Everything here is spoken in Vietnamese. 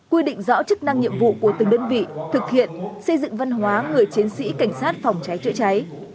quy định rõ chức năng nhiệm vụ của từng đơn vị thực hiện xây dựng văn hóa người chiến sĩ cảnh sát phòng cháy chữa cháy